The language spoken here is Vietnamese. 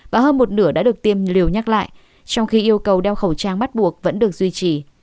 và hơn một nửa đã được tiêm liều nhắc lại trong khi yêu cầu đeo khẩu trang bắt buộc vẫn được duy trì